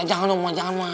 eh jangan emak jangan emak